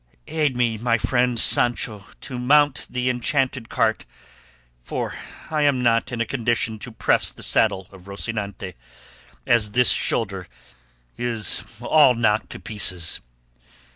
Aid me, friend Sancho, to mount the enchanted cart, for I am not in a condition to press the saddle of Rocinante, as this shoulder is all knocked to pieces."